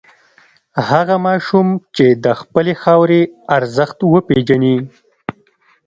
هغه ماشوم چې د خپلې خاورې ارزښت وپېژني.